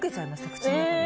口の中で。